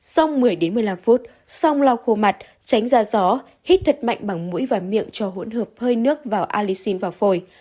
sông một mươi một mươi năm phút sông lau khô mặt tránh ra gió hít thật mạnh bằng mũi và miệng cho hỗn hợp hơi nước vào alisin và phổi